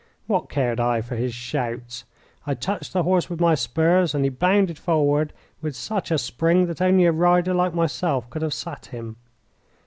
What cared I for his shouts! I touched the horse with my spurs and he bounded forward with such a spring that only a rider like myself could have sat him.